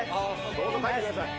どうぞ帰ってください。